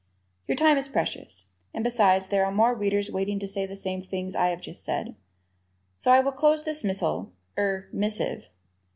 Your time is precious, and besides there are more Readers waiting to say the same things I have just said, so I will close this missile er, missive.